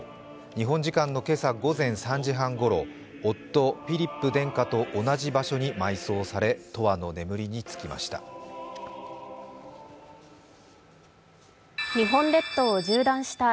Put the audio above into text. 日本時間の今朝午前３時半ごろ、夫・フィリップ殿下と同じ場所に埋葬され、永遠の眠りにつきました。